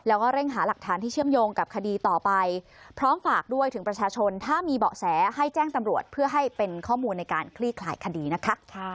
แล้วก็เร่งหาหลักฐานที่เชื่อมโยงกับคดีต่อไปพร้อมฝากด้วยถึงประชาชนถ้ามีเบาะแสให้แจ้งตำรวจเพื่อให้เป็นข้อมูลในการคลี่คลายคดีนะคะ